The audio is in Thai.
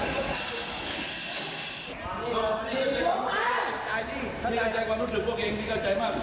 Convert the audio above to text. ท่านนี้ก็ใจกว่านู้นหลุดพวกเองนี่ก็ใจมาก